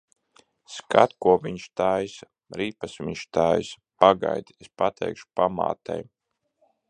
Skat, ko viņš taisa! Ripas viņš taisa. Pagaidi, es pateikšu pamātei.